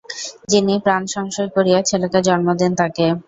যিনি প্রাণসংশয় করিয়া ছেলেকে জন্ম দেন তাঁকে।